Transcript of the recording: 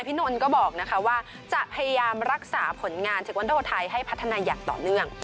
นนท์ก็บอกว่าจะพยายามรักษาผลงานเทควันโดไทยให้พัฒนาอย่างต่อเนื่อง